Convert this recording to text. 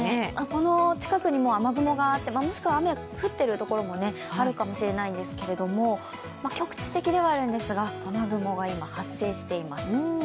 この近くにも雨雲があって、もしくは雨が降っている所もあるかもしれないんですけれど局地的ではあるんですが雨雲が今、発生しています。